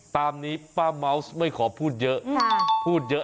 ตามนี้ป้าเมาส์ไม่ขอพูดเยอะ